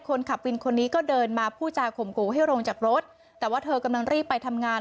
คนขับวินคนนี้ก็เดินมาผู้จาข่มขู่ให้ลงจากรถแต่ว่าเธอกำลังรีบไปทำงาน